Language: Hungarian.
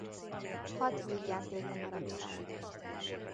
Hat vígjátéka maradt fenn.